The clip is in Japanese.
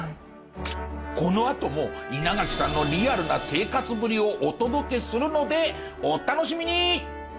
このあとも稲垣さんのリアルな生活ぶりをお届けするのでお楽しみに！